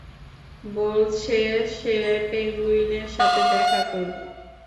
বলছে সে পেঙ্গুইনের সাথে দেখা করবে।